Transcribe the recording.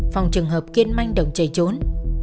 phòng trường hợp kiên manh động chạy trốn